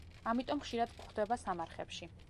ამიტომ ხშირად გვხვდება სამარხებში.